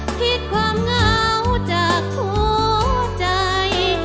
ไม่อย่าทนผิดความเหงาจากหัวใจ